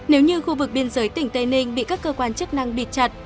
nếu như khu vực biên giới tỉnh tây ninh bị các cơ quan chức năng bịt chặt